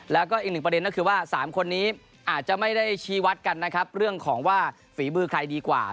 แล้วก็อีกหนึ่งประเด็นก็คือว่า๓คนนี้อาจจะไม่ได้ชี้วัดกันนะครับเรื่องของว่าฝีมือใครดีกว่า